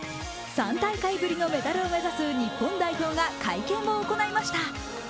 ３大会ぶりのメダルを目指す日本代表が会見を行いました。